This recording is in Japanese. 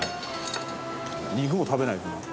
肉も食べないとな。